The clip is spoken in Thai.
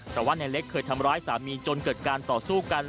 แต่ว่าในเล็กเคยทำร้ายสามีจนเกิดการต่อสู้กัน